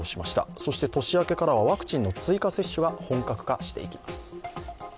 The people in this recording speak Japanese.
そして年明けからはワクチンの追加接種が本格化していきます。